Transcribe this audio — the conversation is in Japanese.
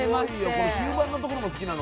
この吸盤のところも好きなの。